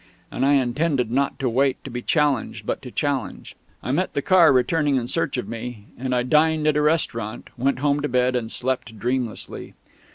And I intended, not to wait to be challenged, but to challenge.... I met the car, returning in search of me; and I dined at a restaurant, went home to bed, and slept dreamlessly.